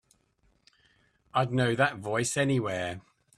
I'd know that voice anywhere.